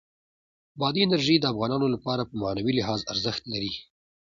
بادي انرژي د افغانانو لپاره په معنوي لحاظ ارزښت لري.